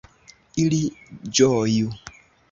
Ili ĝoju!